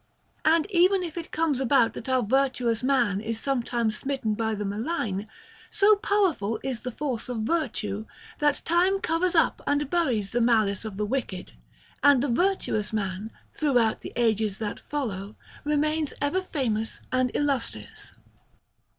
And even if it comes about that our virtuous man is sometimes smitten by the malign, so powerful is the force of virtue that time covers up and buries the malice of the wicked, and the virtuous man, throughout the ages that follow, remains ever famous and illustrious.